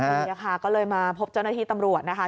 นี่ค่ะก็เลยมาพบเจ้าหน้าที่ตำรวจนะคะ